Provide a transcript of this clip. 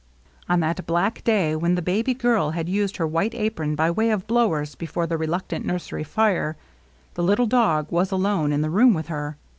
On that black day when the baby girl had used her white apron by way of blowers before the reluctant nursery fire, the little dog was alone in the room with her.